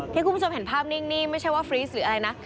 คุณผู้ชมเห็นภาพนิ่งไม่ใช่ว่าฟรีสหรืออะไรนะ